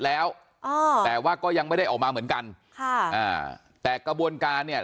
แล้วอ่าแต่ว่าก็ยังไม่ได้ออกมาเหมือนกันค่ะอ่าแต่กระบวนการเนี่ย